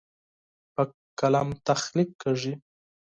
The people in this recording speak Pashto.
په قلم تخلیق کیږي.